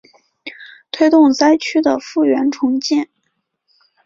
推动灾区的复原重建